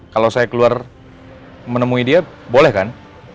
kalau saya keluar menemui dia boleh kan